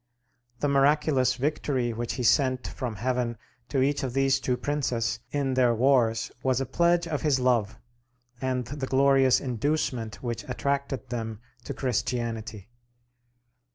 The miraculous victory which he sent from heaven to each of these two princes in their wars was a pledge of his love, and the glorious inducement which attracted them to Christianity.